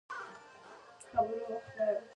کومه لار نږدې ده؟